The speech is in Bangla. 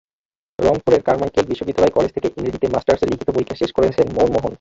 রংপুরের কারমাইকেল বিশ্ববিদ্যালয় কলেজ থেকে ইংরেজিতে মাস্টার্সের লিখিত পরীক্ষা শেষ করেছেন মনমোহন।